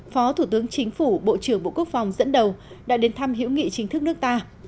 phó thủ tướng chính phủ bộ trưởng bộ quốc phòng dẫn đầu đã đến thăm hiểu nghị chính thức nước ta